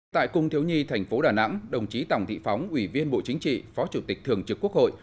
tại cùng thiếu nhi tp đà nẵng đồng chí tòng thị phóng ủy viên bộ chính trị phó chủ tịch thường trực quốc hội